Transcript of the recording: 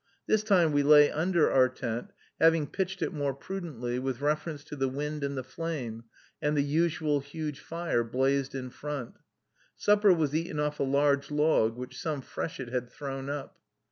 This time we lay under our tent, having pitched it more prudently with reference to the wind and the flame, and the usual huge fire blazed in front. Supper was eaten off a large log, which some freshet had thrown up.